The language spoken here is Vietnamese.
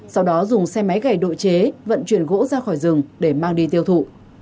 sau đó dùng xe máy gầy độ chế vận chuyển gỗ ra khỏi rừng để mang đi tiêu thụ